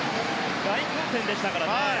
大混戦でしたからね。